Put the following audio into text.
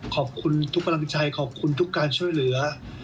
ขอบคุณทุกกำลังใจขอบคุณทุกการช่วยเหลือ